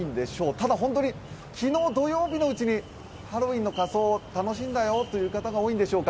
ただ本当に、昨日、土曜日のうちにハロウィーンの仮装を楽しんだという方が多いんでしょうか。